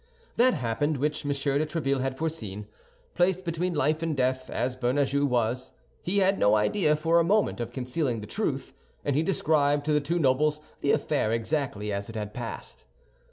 That happened which M. de Tréville had foreseen. Placed between life and death, as Bernajoux was, he had no idea for a moment of concealing the truth; and he described to the two nobles the affair exactly as it had passed.